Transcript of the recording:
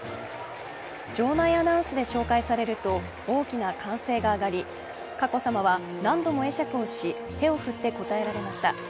場内アナウンスで紹介されると大きな歓声が上がり、佳子さまは何度も会釈をし手を振って応えられました。